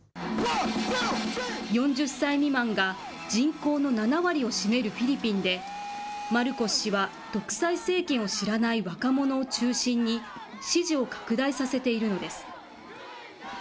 ４０歳未満が人口の７割を占めるフィリピンで、マルコス氏は独裁政権を知らない若者を中心に、支持を拡大させているのです。